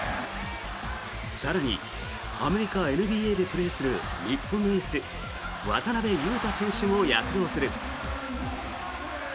更にアメリカＮＢＡでプレーする日本のエース、渡邊雄太選手も躍動する。